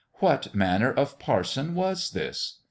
What manner of parson was this